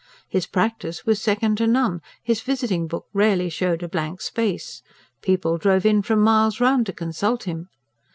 His practice was second to none; his visiting book rarely shewed a blank space; people drove in from miles round to consult him.